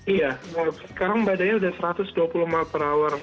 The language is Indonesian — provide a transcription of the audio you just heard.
iya sekarang badainya sudah satu ratus dua puluh mil per hour